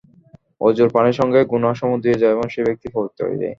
অজুর পানির সঙ্গে গুনাহসমূহ ধুয়ে যায় এবং সেই ব্যক্তি পবিত্র হয়ে যায়।